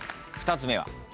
２つ目は？